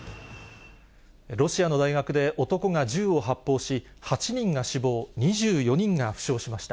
ロシアの大学で、男が銃を発砲し、８人が死亡、２４人が負傷しました。